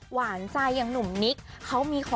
หวานใจอย่างหนุ่มนิ๊ก